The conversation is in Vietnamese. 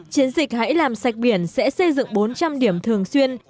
chiến dịch hãy làm sạch biển sẽ xây dựng bốn trăm linh điểm thường xuyên